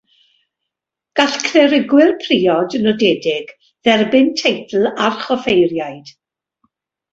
Gall clerigwyr priod nodedig dderbyn teitl archoffeiriad.